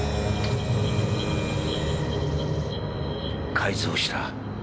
改造した。